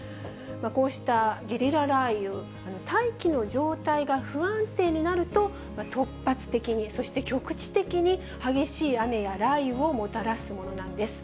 こうしたゲリラ雷雨、大気の状態が不安定になると突発的に、そして局地的に激しい雨や雷雨をもたらすものなんです。